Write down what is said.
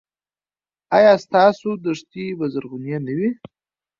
ایا ستاسو دښتې به زرغونې نه وي؟